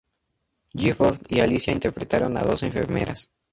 Gifford y Alicia interpretaron a dos enfermeras.